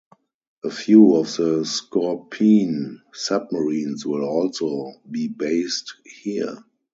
A few of the Scorpene submarines will also be based here.